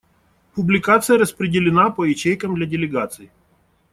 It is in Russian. Публикация распределена по ячейкам для делегаций.